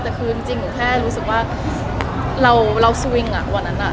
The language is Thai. แต่คือจริงหนูแค่รู้สึกว่าเราสวิงอ่ะวันนั้น